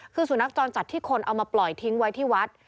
คือสุนัขจรจัดที่คนเอามาปล่อยทิ้งไว้ที่วัด